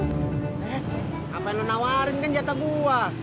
eh apa yang lo nawarin kan jatah buah